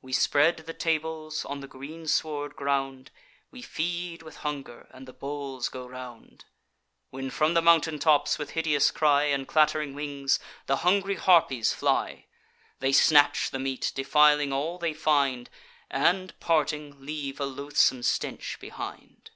We spread the tables on the greensward ground; We feed with hunger, and the bowls go round; When from the mountain tops, with hideous cry, And clatt'ring wings, the hungry Harpies fly; They snatch the meat, defiling all they find, And, parting, leave a loathsome stench behind.